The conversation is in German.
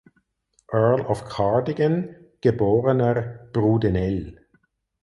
Earl of Cardigan (geborener "Brudenell").